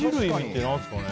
何ですかね？